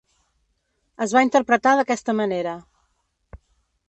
Es va interpretar d'aquesta manera.